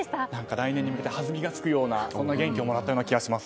来年に向けて弾みがつくようなそんな元気をもらった気がします。